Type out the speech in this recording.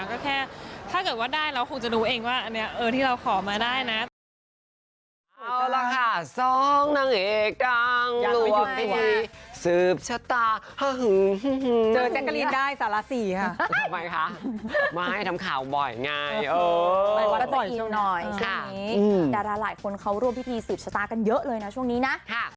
ก็แค่ถ้าเกิดว่าได้เราคงจะรู้เองว่าอันนี้ที่เราขอมาได้นะตอนนี้